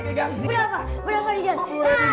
berapa ini jual